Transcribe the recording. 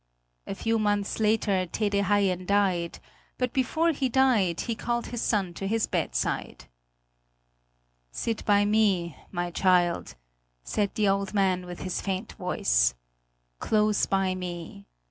A few months later Tede Haien died; but before he died, he called his son to his bedside: "Sit by me, my child;" said the old man with his faint voice, "close by me!